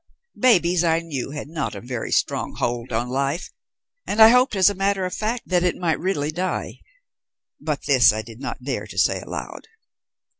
Babies, I knew, had not a very strong hold on life, and I hoped, as a matter of fact, that it might really die, but this I did not dare to say aloud.